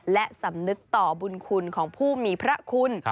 และสำนึกต่อบุญคุณของผู้มีพระคุณ